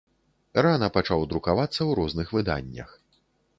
Рана пачаў друкавацца ў розных выданнях.